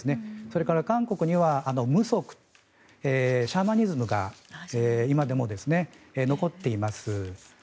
それから韓国にはムソクシャーマニズムが今でも残っています。